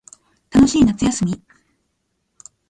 楽しい夏休み